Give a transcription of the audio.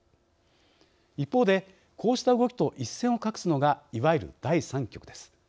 一方でこうした動きと一線を画すのがいわゆる第３極です。